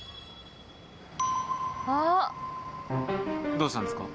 どうしたんですか？